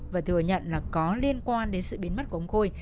và thừa nhận là có liên quan đến sự biến mất của ông khôi